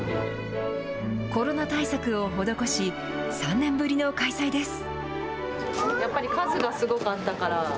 コロナ対策を施し、３年ぶりの開催です。